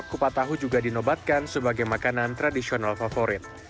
kupat tahu juga dinobatkan sebagai makanan tradisional favorit